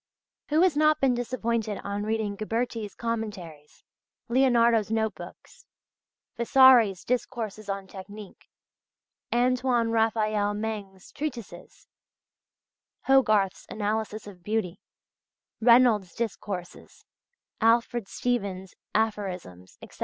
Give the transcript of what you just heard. Who has not been disappointed on reading Ghiberti's commentaries, Leonardo's note books, Vasari's discourses on "Technique," Antoine Raphael Mengs's treatises, Hogarth's Analysis of Beauty, Reynolds' Discourses, Alfred Stevens' Aphorisms, etc.?